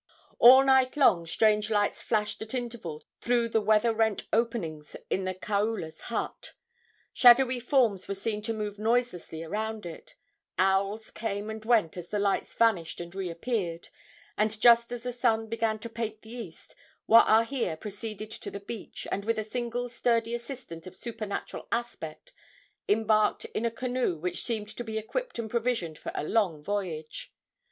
All night long strange lights flashed at intervals through the weather rent openings in the kaula's hut. Shadowy forms were seen to move noiselessly around it; owls came and went as the lights vanished and reappeared; and, just as the sun began to paint the east, Waahia proceeded to the beach, and with a single sturdy assistant of supernatural aspect embarked in a canoe which seemed to be equipped and provisioned for a long voyage.